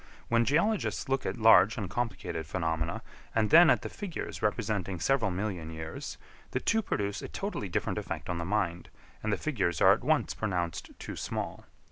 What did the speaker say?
When geologists look at large and complicated phenomena, and then at the figures representing several million years, the two produce a totally different effect on the mind, and the figures are at once pronounced too small.